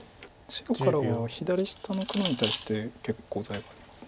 白からは左下の黒に対して結構コウ材があります。